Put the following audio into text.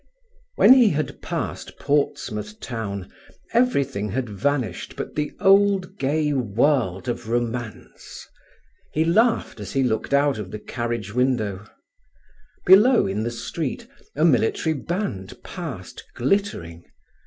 When he had passed Portsmouth Town everything had vanished but the old gay world of romance. He laughed as he looked out of the carriage window. Below, in the street, a military band passed glittering.